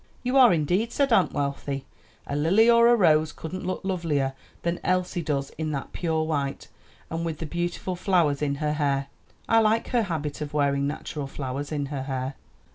"You are indeed," said Aunt Wealthy, "a lily or a rose couldn't look lovelier than Elsie does in that pure white, and with the beautiful flowers in her hair. I like her habit of wearing natural flowers in her hair."